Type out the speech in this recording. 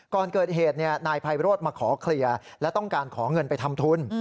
ก่อนเกิดเหตุนายไพโรธมาขอเคลียร์และต้องการขอเงินไปทำทุน